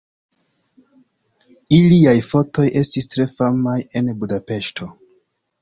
Iliaj fotoj estis tre famaj en Budapeŝto.